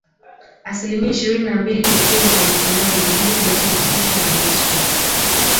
Asilimia ishirini na mbili pekee za mto nile ndizo zinahusishwa na misri